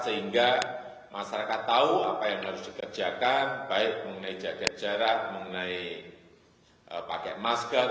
sehingga masyarakat tahu apa yang harus dikerjakan baik mengenai jaga jarak mengenai pakai masker